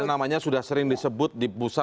namanya sudah sering disebut di bursa